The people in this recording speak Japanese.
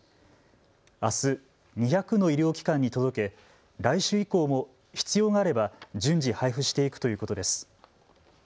あす２００の医療機関に届け来週以降も必要があれば順次、配布していくということです。